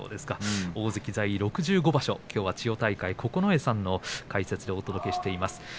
大関在位６５場所、きょうは大関千代大海、九重さんの解説でお伝えしてます。